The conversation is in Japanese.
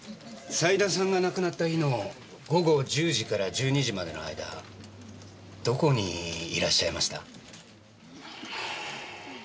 斎田さんが亡くなった日の午後１０時から１２時までの間どこにいらっしゃいました？